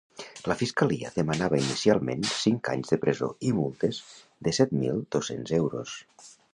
La fiscalia demanava inicialment cinc anys de presó i multes de set mil dos-cents euros.